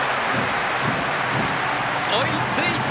追いついた！